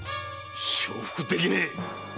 承服できねえ！